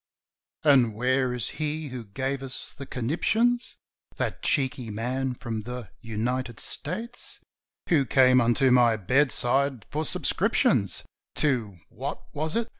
"And where is he who gave us the conniptions, That cheeky man from the United States, Who came unto my bedside for subscriptions To—what was it?